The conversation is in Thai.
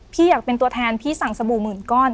พี่อยากเป็นตัวแทนพี่สั่งสบู่หมื่นก้อน